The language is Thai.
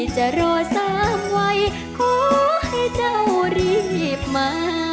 จะรอสักไว้ขอให้เจ้ารีบมา